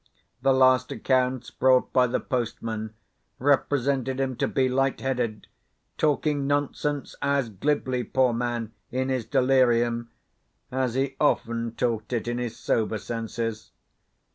The last accounts, brought by the postman, represented him to be light headed—talking nonsense as glibly, poor man, in his delirium as he often talked it in his sober senses.